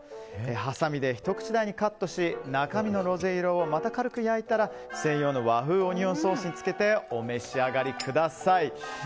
はさみでひと口大にカットし中身のロゼ色をまた軽く焼いたら専用の和風オニオンソースにつけてお召し上がりください。